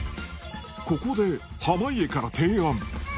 ここで濱家から提案。